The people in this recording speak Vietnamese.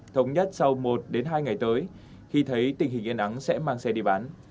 thống nhất sau một hai ngày tới khi thấy tình hình yên ắng sẽ mang xe đi bán